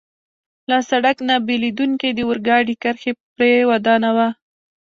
له سړک نه بېلېدونکې د اورګاډي کرښه پرې ودانوه.